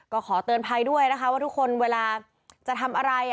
ก็ขอเตือนภัยด้วยนะคะว่าทุกคนเวลาจะทำอะไร